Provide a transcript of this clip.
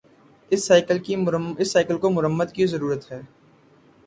اس cycle کو مرمت کی ضرورت ہے